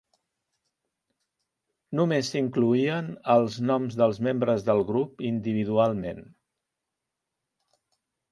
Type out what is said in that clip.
Només s'incloïen els noms del membres del grup individualment.